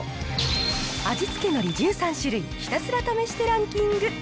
味付けのり１３種類ひたすら試してランキング。